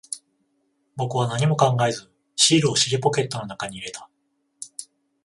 僕は何も考えず、シールを尻ポケットの中に入れた。